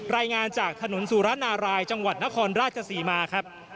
รายงานจากถนนสุรนารายจังหวัดนครราชศรีมาครับ